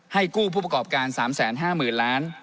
กู้ผู้ประกอบการ๓๕๐๐๐ล้าน